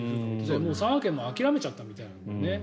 佐賀県も諦めちゃったみたいなんだよね。